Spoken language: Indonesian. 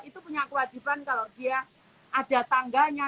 itu punya kewajiban kalau dia ada tangganya